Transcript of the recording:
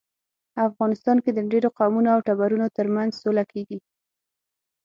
افغانستان کې د ډیرو قومونو او ټبرونو ترمنځ سوله کیږي